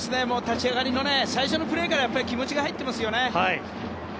立ち上がりの最初のプレーから気持ちが入ってますよね。